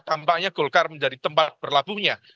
tampaknya golkar menjadi tempat berlabuhnya